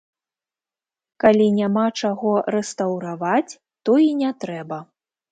Калі няма чаго рэстаўраваць, то і не трэба.